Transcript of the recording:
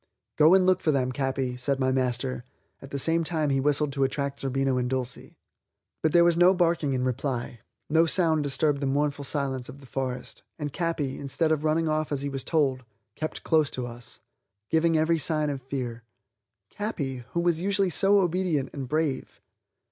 "Go and look for them, Capi," said my master; at the same time he whistled to attract Zerbino and Dulcie. But there was no barking in reply; no sound disturbed the mournful silence of the forest, and Capi, instead of running off as he was told, kept close to us, giving every sign of fear. Capi who was usually so obedient and brave!